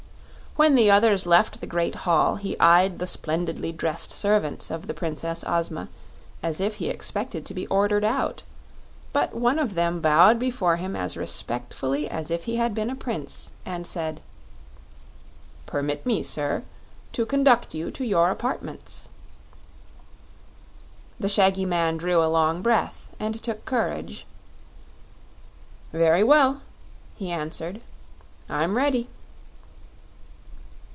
When the others left the great hall he eyed the splendidly dressed servants of the Princess Ozma as if he expected to be ordered out; but one of them bowed before him as respectfully as if he had been a prince, and said: "Permit me, sir, to conduct you to your apartments." The shaggy man drew a long breath and took courage. "Very well," he answered. "I'm ready."